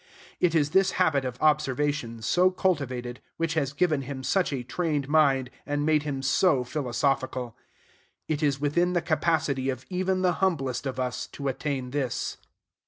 It is this habit of observation, so cultivated, which has given him such a trained mind, and made him so philosophical. It is within the capacity of even the humblest of us to attain this.